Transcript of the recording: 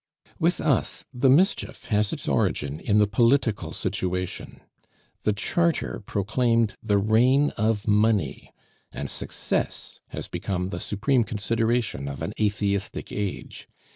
With us the mischief has its origin in the political situation. The Charter proclaimed the reign of Money, and success has become the supreme consideration of an atheistic age.